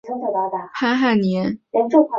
主任潘汉年。